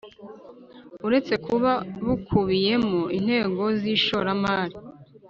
Uretse kuba bukubiyemo intego z ishoramari